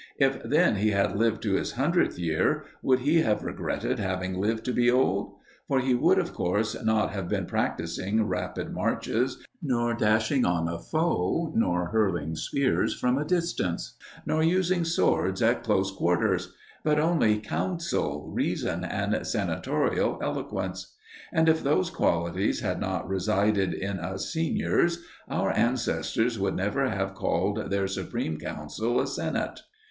If then he had lived to his hundredth year, would he have regretted having lived to be old? For he would of course not have been practising rapid marches, nor dashing on a foe, nor hurling spears from a distance, nor using swords at close quarters but only counsel, reason, and senatorial eloquence. And if those qualities had not resided in us seniors, our ancestors would never have called their supreme council a Senate.